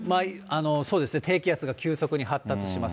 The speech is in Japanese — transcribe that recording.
そうですね、低気圧が急速に発達します。